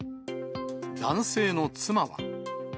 男性の妻は。